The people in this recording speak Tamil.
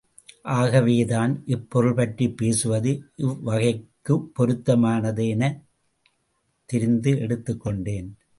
ஆகவேதான், இப்பொருள்பற்றிப் பேசுவது இவ்வகைக்குப் பொருந்துமெனத் தெரிந்து எடுத்துக் கொண்டேன்.